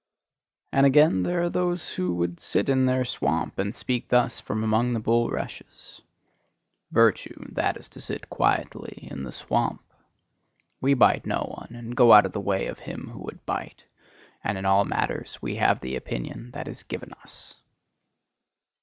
And again there are those who sit in their swamp, and speak thus from among the bulrushes: "Virtue that is to sit quietly in the swamp. We bite no one, and go out of the way of him who would bite; and in all matters we have the opinion that is given us."